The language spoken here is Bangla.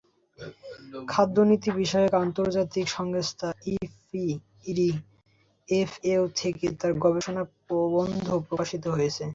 খাদ্যনীতি-বিষয়ক আন্তর্জাতিক সংস্থা ইফপ্রি, ইরি, এফএও থেকে তাঁর গবেষণা প্রবন্ধ প্রকাশিত হয়েছে।